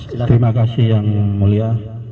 terima kasih yang mulia